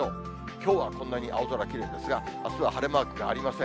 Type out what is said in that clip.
きょうはこんなに青空きれいですが、あすは晴れマークがありません。